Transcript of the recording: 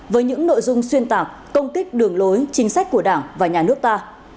với những nội dung xuyên tạc công kích đường lối chính sách của đảng và nhà nước ta